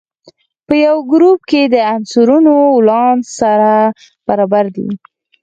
په یوه ګروپ کې د عنصرونو ولانس سره برابر دی.